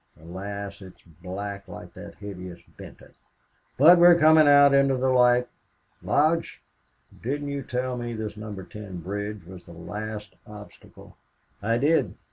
Alas! it's black like that hideous Benton... But we're coming out into the light. Lodge, didn't you tell me this Number Ten bridge was the last obstacle?" "I did.